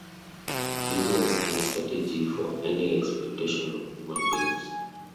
This was his strategy for ending exploitation of human beings.